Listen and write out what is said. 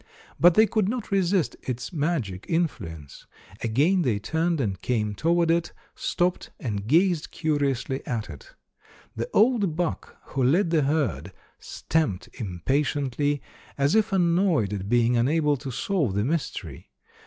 But they could not resist its magic influence. Again they turned and came toward it, stopped, and gazed curiously at it. The old buck who led the herd stamped impatiently, as if annoyed at being unable to solve the mystery.